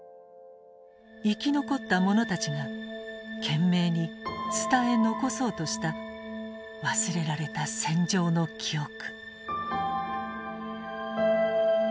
生き残った者たちが懸命に伝え残そうとした忘れられた戦場の記憶。